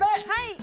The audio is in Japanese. はい！